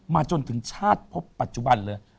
จนถึงชาติพบปัจจุบันเลย